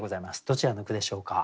どちらの句でしょうか。